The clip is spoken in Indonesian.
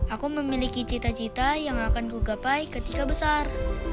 aku memiliki cita cita yang akan kugapai ketika besar